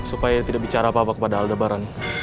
supaya dia tidak bicara apa apa kepada aldebaran